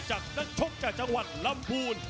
นักชกจากจังหวัดลำพูน